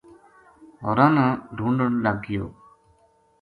ہوراں نا ڈھونڈن لگ گیو